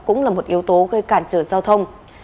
cũng là một yếu tố gây cản trở giao thông